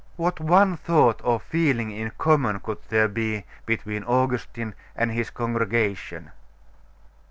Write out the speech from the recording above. What one thought or feeling in common could there be between Augustine and his congregation?